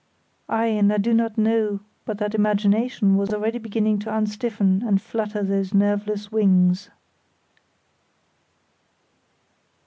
Ay, and I do not know but that Imagination was already beginning to unstiffen and flutter those nerveless wings.